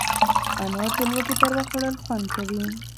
انار د لوږې پر وخت خوړل خوند کوي.